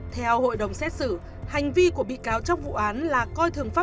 theo hội đồng xét xử hành vi của bị cáo trong vụ án là coi thường pháp